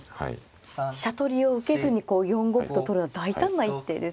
飛車取りを受けずに４五歩と取るのは大胆な一手ですよね。